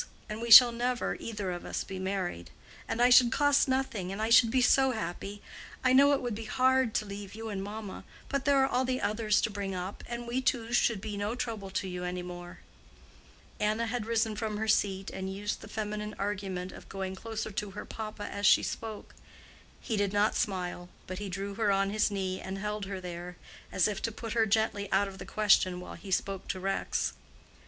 And we shall never, either of us, be married. And I should cost nothing, and I should be so happy. I know it would be hard to leave you and mamma; but there are all the others to bring up, and we two should be no trouble to you any more." Anna had risen from her seat, and used the feminine argument of going closer to her papa as she spoke. He did not smile, but he drew her on his knee and held her there, as if to put her gently out of the question while he spoke to Rex.